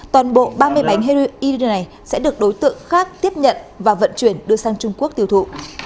toàn bộ ba mươi bánh heroin này sẽ được đối tượng khác tiếp nhận và vận chuyển đưa sang trung quốc tiêu thụ